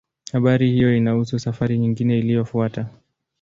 Habari hiyo inahusu safari nyingine iliyofuata.